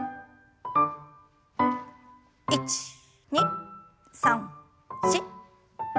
１２３４。